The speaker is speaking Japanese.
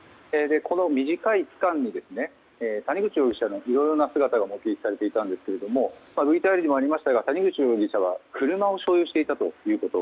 この短い期間に谷口容疑者のいろいろな姿が目撃されていたんですがＶＴＲにもありましたが谷口容疑者は車を所有していたということ。